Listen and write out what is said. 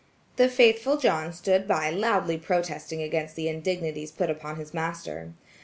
The faithful John stood by loudly protesting against the indignities put upon his master.